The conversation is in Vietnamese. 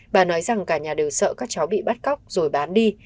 bà nói rằng cả nhà đều sợ các cháu bị bắt cóc rồi bán đi